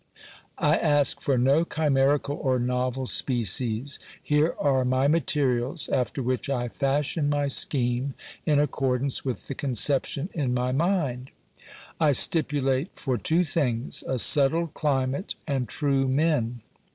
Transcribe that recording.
I ask for no chimerical or novel species ; here are my materials, after which I fashion my scheme, in accord ance with the conception in my mind. I stipulate for two things : a settled climate and true men.